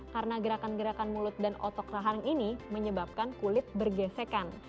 karena gerakan gerakan mulut dan otok rahan ini menyebabkan kulit bergesekan